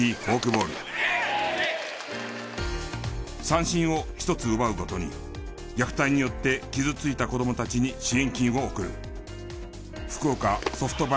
三振を１つ奪うごとに虐待によって傷ついた子どもたちに支援金を送る。